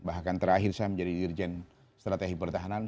bahkan terakhir saya menjadi dirjen strategi pertahanan